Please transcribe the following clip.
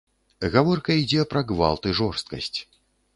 Гаворка ідзе пра гвалт і жорсткасць.